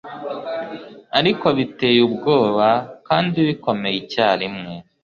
ariko biteye ubwoba kandi bikomeye icyarimwe